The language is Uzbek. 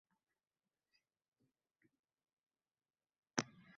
Biz ko‘pincha charchaganimizda, ma’yuslanganimizda, yolg‘izlanib qolganimizda yoki